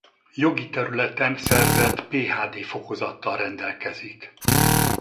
Jogi területen szerzett PhD fokozattal rendelkezik.